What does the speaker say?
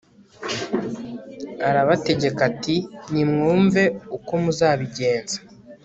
arabategeka ati nimwumve uko muzabigenza